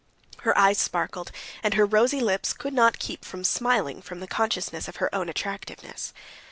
Her eyes sparkled, and her rosy lips could not keep from smiling from the consciousness of her own attractiveness.